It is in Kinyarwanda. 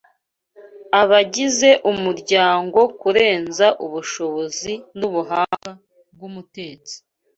abagize umuryango kurenza ubushobozi n’ubuhanga bw’umutetsi